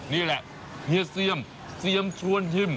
นี่แหละเฮียเซียมเซียมชวนชิม